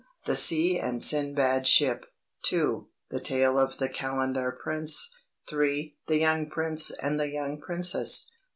The Sea and Sindbad's Ship. 2. The Tale of the Kalendar Prince. 3. The Young Prince and the Young Princess.